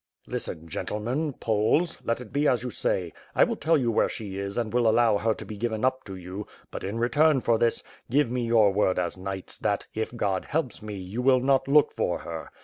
"Listen, gentlemen, Poles! Let it be as you say. I will tell you where she is and will allow her to be given up to you; but, in return for this, give me your word as Imights that, if God helps me, you will not look for her.